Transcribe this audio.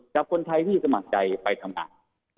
กับคนไทยที่สมัครใจไปทำงาน